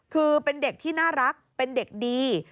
คือเป็นเด็กที่น่ารักเป็นเด็กดี